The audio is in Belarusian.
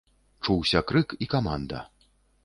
Чуўся крык і каманда.